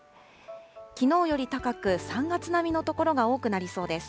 きのうより高く、３月並みの所が多くなりそうです。